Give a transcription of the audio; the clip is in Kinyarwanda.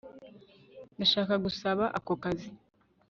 Ndashaka gusaba ako kazi